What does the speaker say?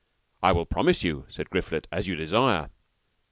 I will promise you, said Griflet, as you desire.